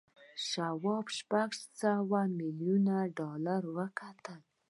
شواب شپږ سوه میلیون ډالر وګټل